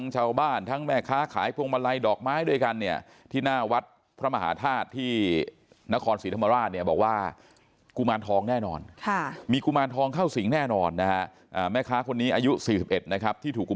เฉาบ้านแถวนี้ฮะทั้งเฉาบ้านทั้งแม่ค้า